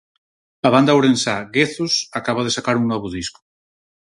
A banda ourensá Guezos acaba de sacar un novo disco.